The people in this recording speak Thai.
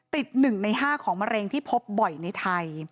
ติด๑ใน๕ของมะเร็งที่พบบ่อยในไทย